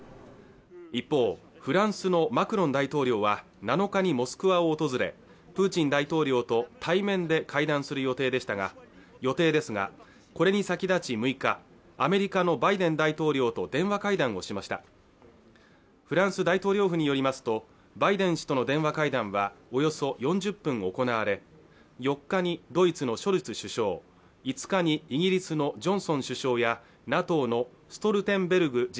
一方フランスのマクロン大統領は７日にモスクワを訪れプーチン大統領と対面で会談する予定ですがこれに先立ち６日アメリカのバイデン大統領と電話会談をしましたフランス大統領府によりますとバイデン氏との電話会談はおよそ４０分行われ４日にドイツのショルツ首相５日にイギリスのジョンソン首相やＮＡＴＯのストルテンベルグ